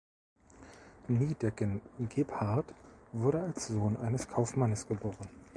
Niedecken-Gebhard wurde als Sohn eines Kaufmannes geboren.